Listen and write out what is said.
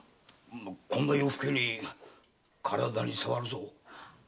こんな夜更けに体にさわるぞ。